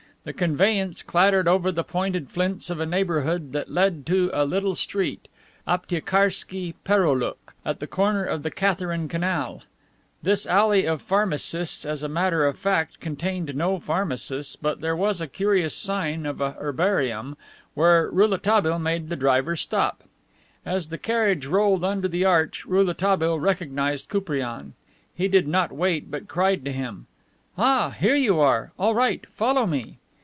The conveyance clattered over the pointed flints of a neighborhood that led to a little street, Aptiekarski Pereoulok, at the corner of the Katharine canal. This "alley of the pharmacists" as a matter of fact contained no pharmacists, but there was a curious sign of a herbarium, where Rouletabille made the driver stop. As the carriage rolled under the arch Rouletabille recognized Koupriane. He did not wait, but cried to him, "Ah, here you are. All right; follow me."